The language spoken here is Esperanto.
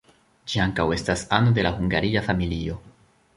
Ĝi ankaŭ estas ano de la Hungaria familio.